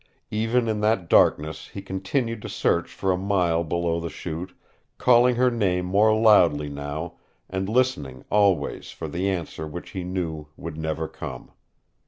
Even in that darkness he continued to search for a mile below the Chute, calling her name more loudly now, and listening always for the answer which he knew would never come.